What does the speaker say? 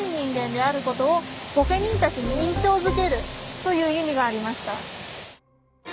という意味がありました。